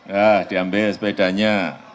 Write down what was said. ya diambil sepedanya